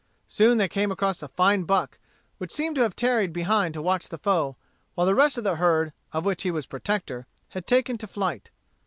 Soon they came across a fine buck, which seemed to have tarried behind to watch the foe, while the rest of the herd, of which he was protector, had taken to flight.